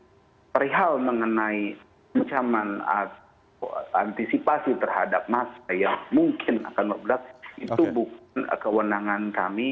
jadi perihal mengenai ancaman antisipasi terhadap mas yang mungkin akan berbelakang itu bukan kewenangan kami